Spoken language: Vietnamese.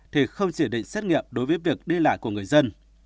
thì không chỉ định xét nghiệm đối với việc đi lại của người dân